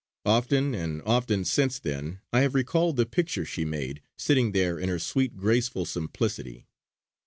Often and often since then have I recalled the picture she made, sitting there in her sweet graceful simplicity.